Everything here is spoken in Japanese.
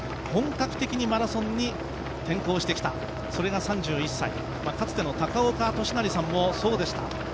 本格的にマラソンに転向してきたのが３１歳、かつての高岡寿成さんもそうでした。